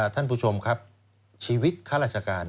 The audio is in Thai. ท่านผู้ชมครับชีวิตค่ารัฐการณ์